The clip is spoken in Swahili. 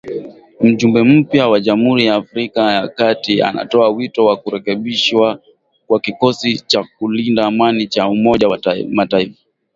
Mjumbe mpya wa Jamhuri ya Afrika ya Kati anatoa wito wa kurekebishwa kwa kikosi cha kulinda amani cha Umoja wa Mataifa